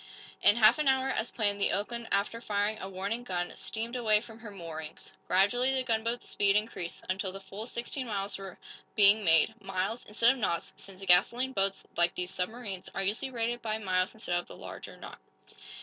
In half an hour, as planned, the "Oakland," after firing a warning gun, steamed away from her moorings. Gradually the gunboat's speed increased, until the full sixteen miles were being made miles, instead of knots, since gasoline boats, like these submarines, are usually rated by miles instead of by the longer "knot."